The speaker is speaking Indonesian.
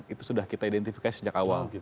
itu sudah kita identifikasi sejak awal